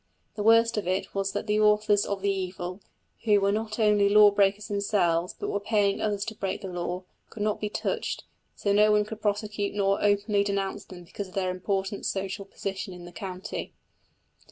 The worst of it was that the authors of the evil, who were not only law breakers themselves, but were paying others to break the law, could not be touched; no one could prosecute nor openly denounce them because of their important social position in the county.